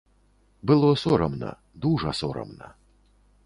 Было сорамна, дужа сорамна.